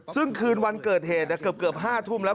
ซึ่งคืนวันเกิดเหตุเกือบ๕ทุ่มแล้ว